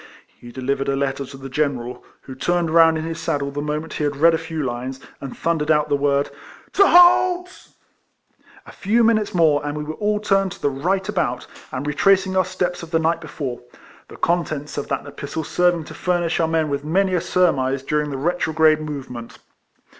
He delivered a letter to the General, who turned round in his saddle the moment he had read a few lines, and thundered out the word " to halt !" A few minutes more, and we were all turned to the right about, and retracing our steps of the night before; — the contents of that EIFLEMAN HARRIS. 163 epistle serving to furnish our men with many a surmise during the retrograide movement.